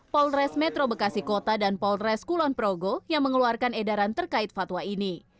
polres metro bekasi kota dan polres kulon progo yang mengeluarkan edaran terkait fatwa ini